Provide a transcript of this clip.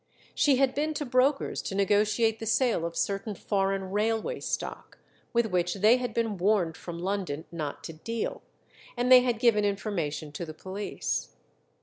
She had been to brokers to negotiate the sale of certain foreign railway stock, with which they had been warned from London not to deal, and they had given information to the police.